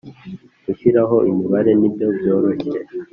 Gushyiraho imibare nibyo byoroshye